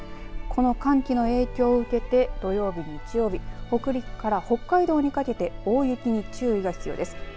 この寒気の影響を受けて土曜日、日曜日北陸から北海道にかけて大雪に注意が必要です。